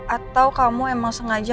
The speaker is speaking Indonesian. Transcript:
atau kamu emang sengaja